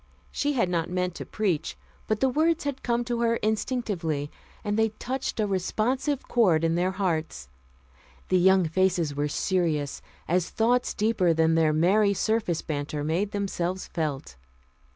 She had not meant to preach, but the words had come to her instinctively, and they touched a responsive chord in their hearts. The young faces were serious as thoughts deeper than their merry surface banter made themselves felt.